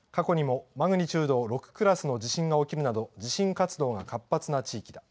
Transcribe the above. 過去にもマグニチュード６クラスの地震が起きるなど、地震活動が活発な地域だ。